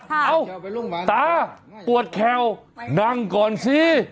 เอ้าตาปวดแควนั่งก่อนสิ